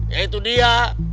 ya itu dia